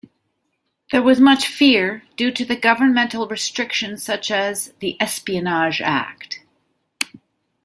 There was much fear, due to governmental restrictions such as the Espionage Act.